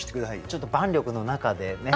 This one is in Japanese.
ちょっと万緑の中でね。